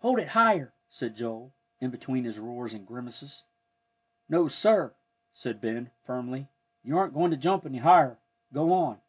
"Hold it higher," said Joel, in between his roars and grimaces. "No, sir," said Ben, firmly, "you aren't going to jump any higher. Go on."